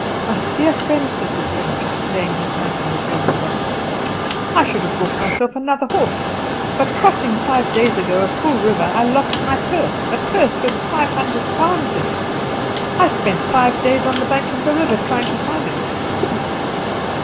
"My dear friend," said the stranger, laying his hand on the German's arm, "I should have bought myself another horse, but crossing, five days ago, a full river, I lost my purse a purse with five hundred pounds in it. I spent five days on the bank of the river trying to find it couldn't.